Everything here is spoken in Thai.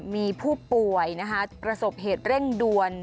มีผู้ป่วยประสบเหตุเร่งด่วน